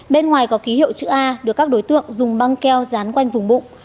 bên ngoài có ký hiệu chữ a được các đối tượng dùng băng keo dán quanh vùng bụng